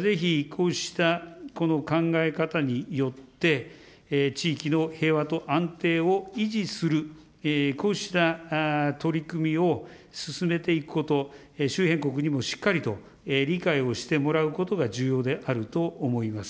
ぜひこうしたこの考え方によって、地域の平和と安定を維持する、こうした取り組みを進めていくこと、周辺国にもしっかりと理解をしてもらうことが重要であると思います。